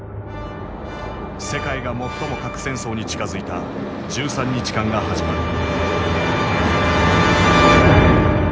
世界が最も核戦争に近づいた１３日間が始まる。